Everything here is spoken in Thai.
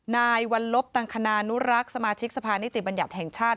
นายวัลลบตังคณานุรักษ์สมาชิกสภานิติบัญญัติแห่งชาติ